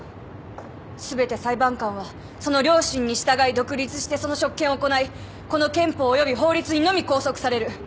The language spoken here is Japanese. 全て裁判官はその良心に従い独立してその職権を行いこの憲法および法律にのみ拘束される。